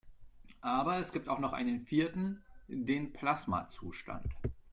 Aber es gibt auch noch einen vierten: Den Plasmazustand.